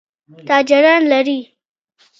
تاجران لري.